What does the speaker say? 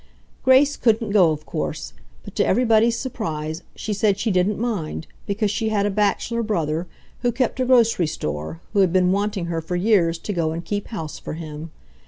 Grace couldn't go of course, but to everybody's surprise she said she didn't mind, because she had a bachelor brother, who kept a grocery store, who had been wanting her for years to go and keep house for him.